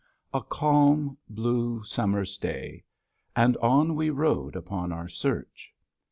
A calm, blue summer's day, and on we rowed upon our search.